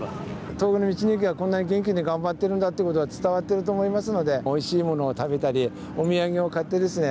東北の地域がこんなに頑張っているということが伝わってると思いますのでおいしいものを食べたりお土産を買ってですね